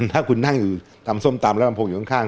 ถ้าคุณนั่งอยู่ตำส้มตำแล้วลำโพงอยู่ข้าง